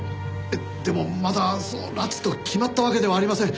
えっでもまだその拉致と決まったわけではありません。